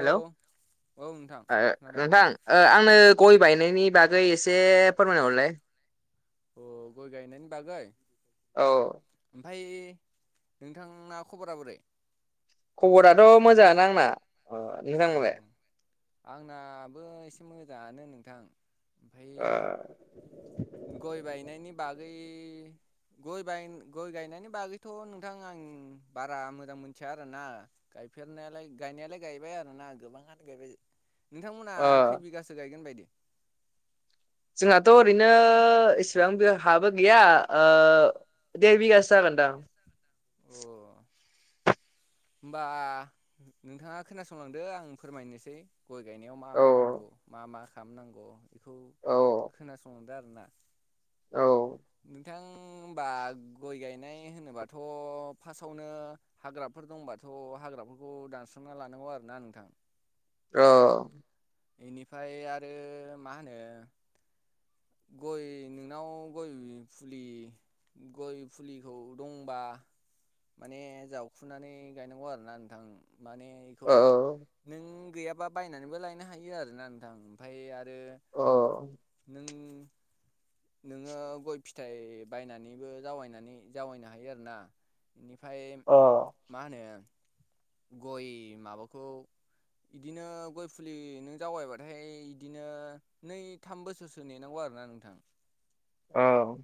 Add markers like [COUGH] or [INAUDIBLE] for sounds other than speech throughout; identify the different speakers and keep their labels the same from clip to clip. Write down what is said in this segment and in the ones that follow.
Speaker 1: Hello
Speaker 2: औ नोंथां
Speaker 1: ओ
Speaker 2: खोनादों
Speaker 1: नोंथां ओ आं आंङो गय बायनायनि बागै एसे फोरमायना हरलाय।
Speaker 2: अ गय गायनायनि बागाय
Speaker 1: औ
Speaker 2: ओमफफ्राय नोंथां खबरा बोरै?
Speaker 1: खबराथ' मोजांङानो आंना अ
Speaker 2: अ
Speaker 1: नोंथांनालाय?
Speaker 2: आंनाबो एसे मोजांङानो नोंथां। ओमफाय
Speaker 1: ओ
Speaker 2: गय बायनायनि बागै
Speaker 1: [INAUDIBLE]
Speaker 2: गय गय गायनायनि बागैथ' नोंथां आं बारा मोजां मोनथिया आरोना गाय गायफेरनायालाय गायनायालाय गायबाय आरो। ना गोबांङानो गायबाय नोंथांमोना
Speaker 1: ओ
Speaker 2: खै बिगासो गायगोन बायदि
Speaker 1: जोंहाथ' ओरैनो एसिबां हाबो गैया ओ देर बिगासो जागोन। दा
Speaker 2: अ होमबा नोंथांङा खोनासंलांदो आं फोरमायनोसै। गय गायनायाव मा
Speaker 1: औ
Speaker 2: मा नांगौ मा मा खालामनांगौ बेखौ
Speaker 1: औ
Speaker 2: खोनासंनो दा आरोना
Speaker 1: औ
Speaker 2: थां होनोमबा गय गायनाय होनोबाथ' फार्स्टआवनो हाग्राफोर दंबाथ' हाग्रा फोरखौ दानस्र'ना लानांगौ आरो ना नोंथां।
Speaker 1: औ
Speaker 2: बेनिफ्राय आरो मा होनो? गय नोंनाव गय फुलि गय फुलिखौ दंबा माने जावखुनानै गायनांगौ आरो ना नोंथां। माने बेखौ
Speaker 1: औ
Speaker 2: नों गैयाबा बायनानैबो लायनो हायो आरोना नोंथां ओमफाय आरो ओ
Speaker 1: औ
Speaker 2: नों नोंङो गय फिथाइ बायनानैबो जावनानै जावैनो हायो आरोना। बेनिफ्राय
Speaker 1: औ
Speaker 2: मा होनो गय माबाखौ बिदिनो गय फुलि नों जावायबाथाय बिदिनो नै थाम बोसोरसो नेनांगौ आरो। नेनांगौ नोंथां
Speaker 1: औ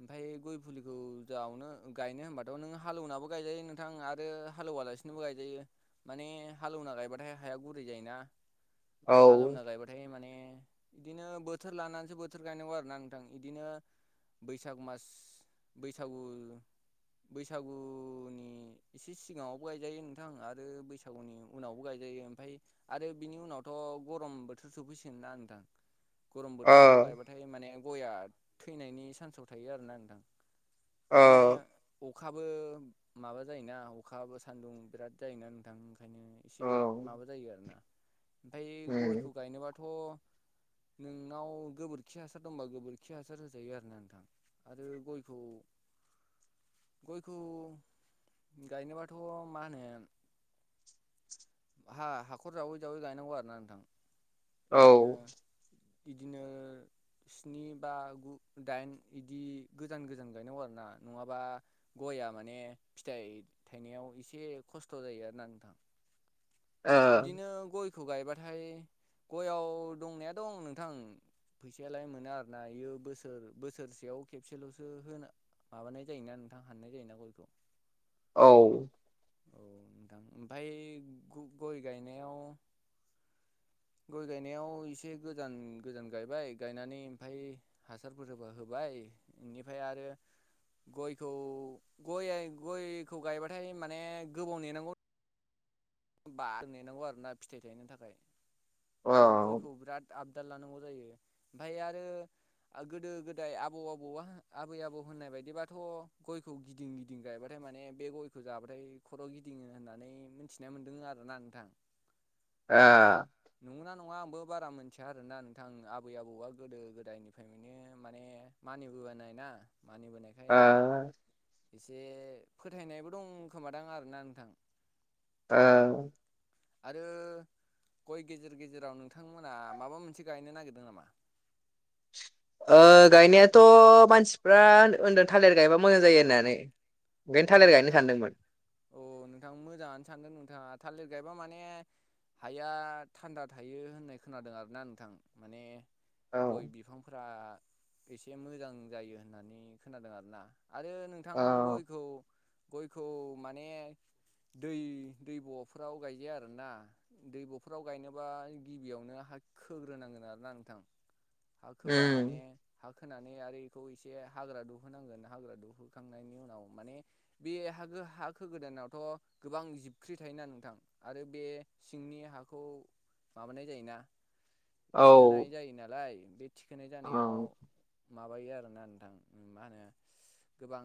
Speaker 2: ओमफाय गय फुलिखौ जावनो गायनो होनबाथ' नों हालौवनाबो गायजायो नोंथां आरो हालौवा हालासिनोबो गायजायो माने हालौवना गायबाथाय हाया गुरै जायोना।
Speaker 1: औ
Speaker 2: हालेवना गायबाथाय माने बिदिनो बोथोर लानानैसो बोथोर गायनांगौ आरो ना नोंथां बिदिनो बैसाग मास बैसागु बैसागुनि एसे सिगांङावबो गायजायो नोंथां आरो बैसागुनि उनावबो गायजायो। [UNINTELLIGIBLE] ओमफफ्राय आरो बिनि उनावथ' गरम बोथोर सोफैसिगोन ना नोंथां गरम
Speaker 1: औ
Speaker 2: बोथोराव गायबाथाय माने गया थैनायनि सान्साव थायो आरो ना नोंथां।
Speaker 1: औ
Speaker 2: माने अखाबो माबा जायोना अखाबो सान्दुं बिराद जायोना नोंथां। ओंखायनो
Speaker 1: औ
Speaker 2: एसे माबा जायो आरो ना। ओमफ्राय गयखौ
Speaker 1: उम
Speaker 2: गायनोबाथ नोंनाव गोबोरखि हासार दंबा गोबोरखि हासार होजायो आरो ना नोंथां आरो गयखौ गयखौ गायनोबाथ मा होनो
Speaker 1: [UNINTELLIGIBLE]
Speaker 2: हा हाखर जावै जावै गायनांगौ आरो ना नोंथां।
Speaker 1: औ
Speaker 2: बिदिनो स्नि बा गु दाइन बिदि गोजान गोजान गायनांगौ आरो ना नङाबा गया माने फिथाइ थायनायाव एसे खस्थ' जायो आरोना नोंथां।
Speaker 1: औ
Speaker 2: बिदिनो गयखौ गायबाथाय गयाव दंनाया दं नोंथां फैसायालाय मोना आरोना बियो बोसोर बोसोरसेयाव खेबसेलसो होनो माबानाय जायोना नोंथां हाननाय जायोना गयखौ
Speaker 1: औ
Speaker 2: औ नोंथां ओमफ्राय ग गय गायनायाव
Speaker 1: [UNINTELLIGIBLE]
Speaker 2: गय गायनायाव एसे गोदान - गोजान गायबाय गायनानै ओमफ्राय हासारफोर होबा होबाय ए बेनिफ्राय आरो गयखौ गया गयखौ गायबाथाय माने गोबाव नेनांगौ बा नेनांगौ आरोना फिथाइ थायनो थाखाय
Speaker 1: औ
Speaker 2: आरो
Speaker 1: ओ
Speaker 2: गयखौ बिराद आब बोर लानांगौ जायो। ओमफ्राय आरो गोदो गोदाय आबौ आबौआ आबै आबौ होननाय बायदिबाथ' गयखौ गिदिं गिदिं गायबाथाय माने बे गयखौ जाबाथाय खर' गिदिङो होननानै मिथिनाय मोनदों आरो ना नोंथां
Speaker 1: आ
Speaker 2: नंगौना नङा आंबो बारा मोनथिया आरोना नोंथां आबै आबौआ गोदो गोदायनिफ्राय माने मा मानिबोबोनाय ना मानिबोनायखाय
Speaker 1: ओ
Speaker 2: एसे फोथायनायबो दं खोमादां आरोना नोंथां।
Speaker 1: ओव
Speaker 2: आरो गय गेजेर गेजेराव नोंथांमोना माबा मोनसे गायनो नागिरदों नामा?
Speaker 1: [UNINTELLIGIBLE] ओ गायनायाथ मानसिफ्रा ओन्दो थालिर गायबा मोजां जायो होननानै ओंखायनो
Speaker 2: अ
Speaker 1: थालिर गायनो
Speaker 2: नोंथां
Speaker 1: सानदोंमोन
Speaker 2: अ नोंथां मोजाङानो सानदों नोंथाङा थालिर गायबा माने हाया थान्दा थायो होननाय खोनादों आरोना नोंथां माने
Speaker 1: औ
Speaker 2: गय बिफांफोरा एसे मोजां जायो होननानै खोनादों आरोना। आरो नोंथां
Speaker 1: औ
Speaker 2: गय गयखौ माने दै दै ब'फोराव गायजाया आरोना दै ब'फोराव गायनोबा गिबियावनो हा खोग्रोनांगोन आरो ना नोंथां हा खोबा माने
Speaker 1: उम
Speaker 2: हा खोनानै आरो बेखौ एसे हाग्रा दुहोनांगोन हाग्रा दुहोखांनायनि उनाव माने बे हागो हा खोगोदानावथ' गोबां जिबख्रि थायोना नोंथां आरो बे सिंनि हाखौ माबानाय जायोना।
Speaker 1: औ
Speaker 2: थिखोनाय जायो नालाय बे थिखोनाय जानायाव
Speaker 1: औ
Speaker 2: माबायो आरोना नोंथां उम मा होनो गोबां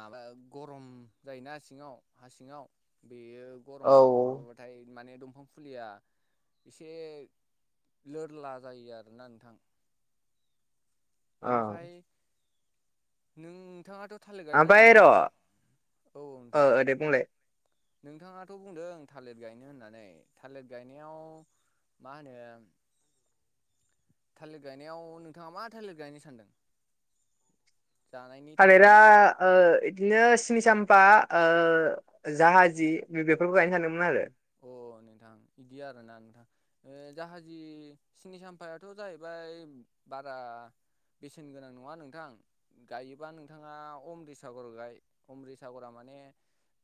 Speaker 2: माबा गरम जायोना सिङाव हा सिङाव बेयो
Speaker 1: औ
Speaker 2: गरमा माबाबाथाय माने दंफां फुलिया एसे लोरला जायो आरोना नोंथां
Speaker 1: औ
Speaker 2: बेनिफ्राय नोंथाङाथ' थालिर गायनो
Speaker 1: आमफाय
Speaker 2: होनदों
Speaker 1: र'
Speaker 2: मा औ
Speaker 1: ओ
Speaker 2: नोंथां
Speaker 1: दे बुंलाय
Speaker 2: नोंथाङाथ' बुंदों थालिर गायनो होननानै थालिर गायनायाव मा होनो
Speaker 1: [INAUDIBLE]
Speaker 2: थालिर गायनायाव नोंथाङा मा थालिर गायनो सानदों जानायनि थाखाय
Speaker 1: थालिरा
Speaker 2: ना
Speaker 1: ओ इदिनो सिनसाम्पा ओ जाहाजी बेफोरखौ गायनो सानदोंमोन आरो
Speaker 2: अ नोंथां बिदि आरो ना नोंथां ओ जाहाजि सिनि साम्फायाथ' जाहैबाय बारा बेसेन गोनां नङा नोंथां गायोबा नोंथाङा अमृतसागर गाय अमृतसागरा मा माने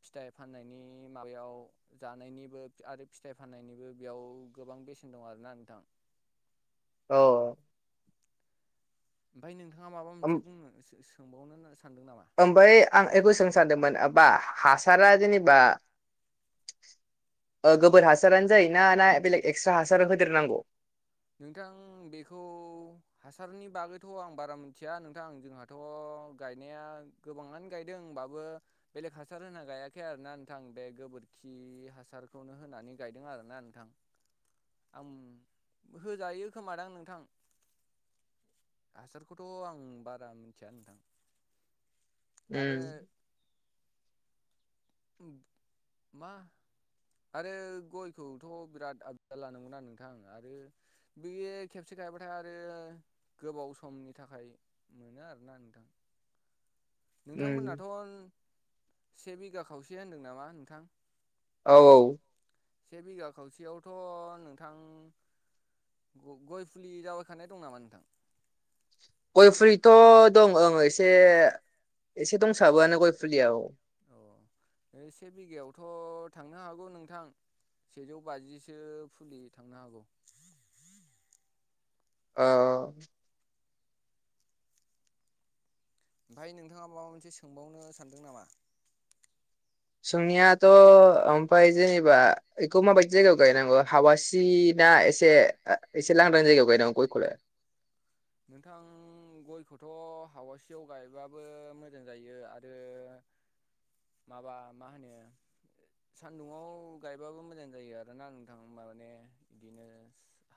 Speaker 2: फिथाइ फाननायनि माबायाव जा नायनिबो आरो फिथाइ फाननायनिबो बेयाव गोबां बेसेन दं आरोना नोंथां
Speaker 1: औ
Speaker 2: ओमफ्राय नों थाङा माबा
Speaker 1: ओम
Speaker 2: मोनसे बुंनो सो सोंबावनो होननानै सानदों नामा
Speaker 1: ओमफ्राय आं बेखौ सोंनो सानदोंमोन बा हासारा जेनबा ओ गोबोर हासारानो जायोना ना बेलेग एक्सट्रा हासार होदेरनांगौ
Speaker 2: नोंथां बेखौ हासारनि बागैथ' आं बारा मिथिया नोंथां जोंहाथ' गायनाया गोबाङानो गायदों होमबाबो बेलेक हासार होना गायाखै आरोना नोंथां बे गो बोदखि हासारखौनो होनानै गायदों आरोना नोंथां आं होजायो खोमादां नोंथां हासारखौथ' आं बारा मिथिया नोंथां आरो
Speaker 1: उम
Speaker 2: मा आरो गयखौथ' बिराद आबदाल लानांगौना नोंथां आरो बेयो खेबसे थायबाथाय आरो गोबाव समनि थाखाय मोनो आरो ना नोंथां
Speaker 1: [INAUDIBLE] उम
Speaker 2: नोंथांमोनाथ' से बिघा खावसे होनदों नामा नोंथां
Speaker 1: औ औ
Speaker 2: से बिघा खावसेयावथ' नोंथां ग गय फुलि जावायखानाय दं नामा नोंथां
Speaker 1: गय फुलिथ' दं ओं एसे एसे दंसाबोआनो गय फुलिया‌औ [INAUDIBLE]
Speaker 2: से बिघायावथ' थांनो हागौ नोंथां सेजौ बाजिसो फुलि थांनो हागौ
Speaker 1: [INAUDIBLE] ओ
Speaker 2: ओमफ्राय नोंथाङा माबा मोनसे सोंबावनो सानदों नामा?
Speaker 1: सोंनायाथ' ओमफाय जेनेबा बेखौ माबायदि जायगायाव गायनांगौ हावासि ना एसे एसे लांदां जायगायाव गायनांगौ गयखौलाय
Speaker 2: नोंथां गयखौथ' हावासियाव गायबाबो मोजां जायो आरो
Speaker 1: [INAUDIBLE]
Speaker 2: माबा मा होनो सान्दुङाव गायबाबो मोजां जायो आरोना नोंथां माने बिदिनो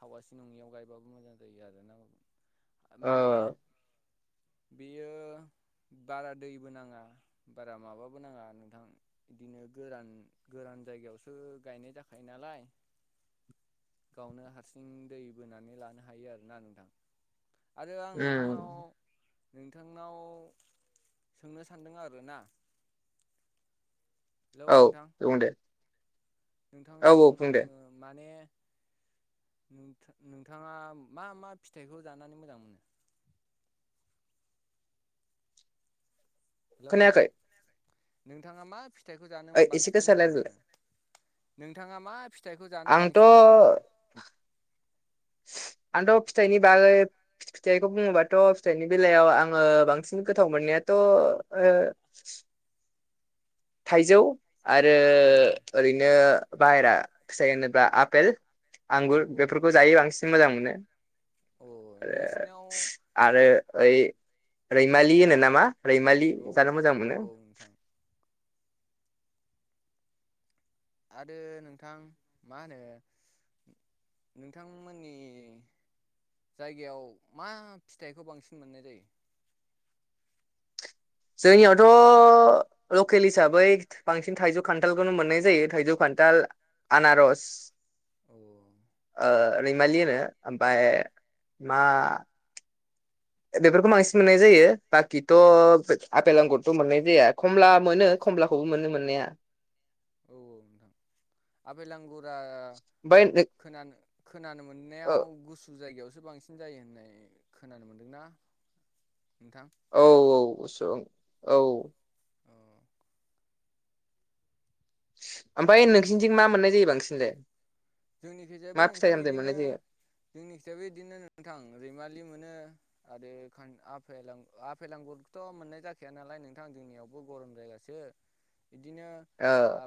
Speaker 2: हावा सि नङियाव गायबाबो मोजां जायो आरोना
Speaker 1: ओ
Speaker 2: माने बियो बारा दैबो नाङा बारा माबाबो नाङा नोंथां इदिनो गोरान गोरान गुबुन जायगायावसो गायनाय जाखायो नालाय
Speaker 1: [INAUDIBLE]
Speaker 2: गावनो हारसिं दै बोनानै लानो हायो आरोना नोंथां आरो आं नोंथांनाव
Speaker 1: उम
Speaker 2: नोंथांनाव सोंनो सानदों आरो ना
Speaker 1: औ बुं दे औ औ बुं दे
Speaker 2: नोंथां माने
Speaker 1: [INAUDIBLE]
Speaker 2: नोंथाङा मा मा फिथाइखौ जानानै मोजां मोनो? हेलौ नोंथां
Speaker 1: खोनायाखै
Speaker 2: नोंथाङा मा फिथाइखौ जानो
Speaker 1: ओइ एसे
Speaker 2: बांसिन
Speaker 1: गोसा
Speaker 2: मोजां
Speaker 1: रायलायलाय
Speaker 2: मोनो नोंथाङा मा फिथाइखौ जानो
Speaker 1: आंथ'
Speaker 2: बांसिन मोजां मोनो
Speaker 1: [INAUDIBLE] आंथ' फिथाइनि बागै फिथाइखौ बुङोबाथ' फिथाइनि बेलायाव आङो बांसिन गोथाव मोननाया थ' ओ थाइजौ आरो
Speaker 2: औ
Speaker 1: ओरैनो
Speaker 2: औ
Speaker 1: बाहेरा फिथाइ होनोब्ला आपेल
Speaker 2: औ
Speaker 1: आंगुर बेफोरखौ
Speaker 2: नोंथां
Speaker 1: जायो बांसिन मोजां मोनो।
Speaker 2: औ नोंसिनाव
Speaker 1: आरो ओइ रैमालि होनो नामा रैमालि
Speaker 2: औ
Speaker 1: जानो मोजां मोनो।
Speaker 2: औ नोंथां आरो नोंथां मा होनो नोंथांमोननि जायगायाव मा फिथाइखौ बांसिन मोननाय जायो।
Speaker 1: जोंनियावथ' लकेल हिसाबै बांसिन थाइजौ खान्थालखौनो मोननाय जायो थाइजौ खान्थाल। दाल आनारस
Speaker 2: औ
Speaker 1: ओ रैमालिनो ओमफ्राय मा बेफोरखौ बांसिन मोननाय जायो बाखिथ' आपेल आंगुरथ' मोननाय जाया खमला मोनो खमलाखौबो मोननो मोननाया
Speaker 2: औ औ नोंथां आफेल आंगुर ओ
Speaker 1: ओमफ्राय
Speaker 2: खोनानो खोनानो मोन्नायाव गुसु जाय यावसो बांसिन जायो होननाय खोनानो मोनदोंना। नोंथां
Speaker 1: औ औ औ
Speaker 2: अ
Speaker 1: ओमफाय नोंसिनिथिं मा मोननाय जायो बांसिनलाय
Speaker 2: जोंनि खिजायबो
Speaker 1: मा फिथाइ
Speaker 2: नोंथां
Speaker 1: सामथाइ
Speaker 2: बिदिनो
Speaker 1: मोननाय जायो
Speaker 2: जोंनि खिजायबो बिदिनो नोंथां रैमालि मोनो आरो आफ आफेल लांगुरथ' मोननाय जाखाया नालाय नोंथां जोंनियावबो गरम जायगासो बिदिनो ओ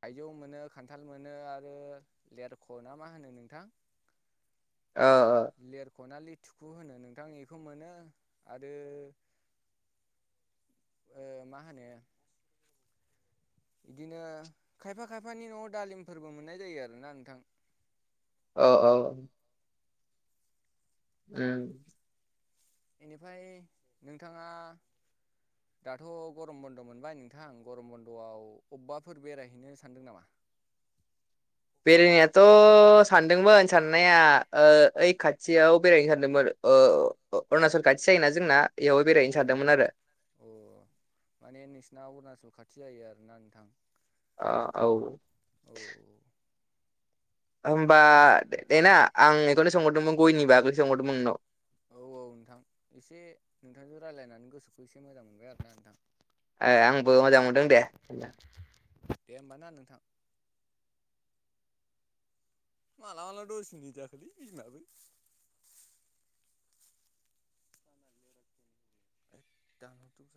Speaker 2: थाइजौ मोनो खान्थाल मोनो आरो लेरख' ना मा होनो नोंथां
Speaker 1: ओ
Speaker 2: लेरख' ना‌ लि थुखु होनो नोंथां बेखौ मोनो आरो मा होनो बिदिनो खायफा खायफानि न'आव दालिमफोरबो मोननाय जायो आरोना नोंथां
Speaker 1: औ औ औ उम
Speaker 2: बेनिफ्राय नोंथाङा दाथ' गरम बन्द मोनबाय नोंथां गरम बन्द'आव अबेबाफोर बेरायहैनो सानदों नामा?
Speaker 1: [INAUDIBLE] बेरायनायाथ' सानदोंमोन साननाया ओइ खाथियाव बेरायनो सानदोंमोन ओ अरुणाचल खाथि जायोना जोंना बेयावहाय
Speaker 2: औ
Speaker 1: बेरायनो
Speaker 2: औ
Speaker 1: सानदोंमोन
Speaker 2: नोंथां
Speaker 1: आरो
Speaker 2: औ माने नोंसिना अरुणचल खाथि जायो आरोना नोंथां।
Speaker 1: आ औ।
Speaker 2: औ
Speaker 1: होमबा देना आं बेखौनो सोंहरदोंमोन गयनिबोगै सोंहरदोंमोन नोंनाव
Speaker 2: औ औ नोंथां एसे नोंथांजों रायजलायनानै गोसोखौ एसे मोजां मोनबाय आरो ना नोंथां।
Speaker 1: ए आंबो मोजां मोनदों दे।
Speaker 2: दे होनबा नोंथां। माला माला दस मिनिद जाखोथाय बिमाबो दानथ' ज